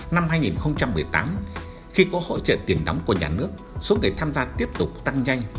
năm hai nghìn một mươi tám khi có hỗ trợ tiền đóng của nhà nước số người tham gia tiếp tục tăng nhanh